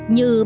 như bánh kẹo